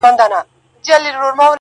• هنر هنر سوم زرګري کوومه ښه کوومه,